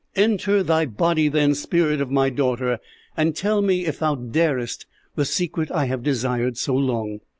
"'Enter thy body then, spirit of my daughter, and tell me, if thou darest, the secret I have desired so long.'